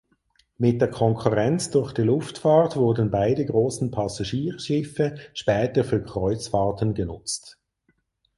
Mit der Konkurrenz durch die Luftfahrt wurden beide großen Passagierschiffe später für Kreuzfahrten genutzt.